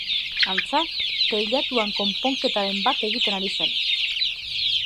Antza, teilatuan konponketaren bat egiten ari zen.